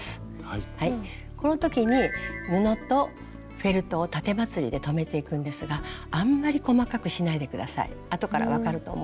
この時に布とフェルトをたてまつりで留めていくんですがあんまり細かくしないで下さい。